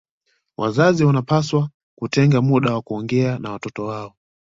Wazazi wanawapasa kutenga muda wa kuongea na watoto wao